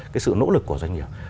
cái sự nỗ lực của doanh nghiệp